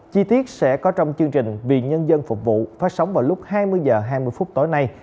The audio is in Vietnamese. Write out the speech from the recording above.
chi tiết sẽ có trong chương trình vì nhân dân phục vụ phát sóng vào lúc hai mươi h hai mươi phút tối nay